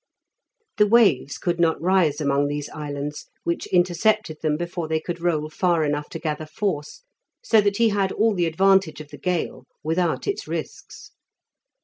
The waves could not rise among these islands, which intercepted them before they could roll far enough to gather force, so that he had all the advantage of the gale without its risks.